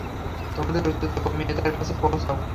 তোমাদের উচ্চতা কমিয়ে তার কাছে পৌছাও।